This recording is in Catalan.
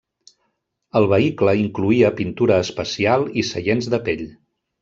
El vehicle incloïa pintura especial i seients de pell.